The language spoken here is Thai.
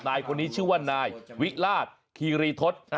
นายคนนี้ชื่อว่านายวิราชคีรีทศ